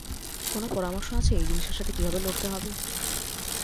কোন পরামর্শ আছে এই জিনিসের সাথে কিভাবে লড়তে হবে?